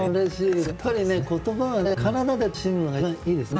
やっぱりね言葉はね体で楽しむのが一番いいですよね。